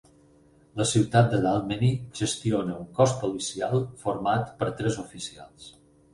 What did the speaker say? La ciutat de Dalmeny gestiona un cos policial format per tres oficials.